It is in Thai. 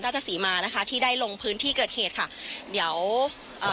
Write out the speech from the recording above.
สีมานะคะที่ได้ลงพื้นที่เกิดเหตุค่ะเดี๋ยวเอ่อ